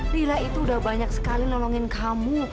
lila itu udah banyak sekali ngomongin kamu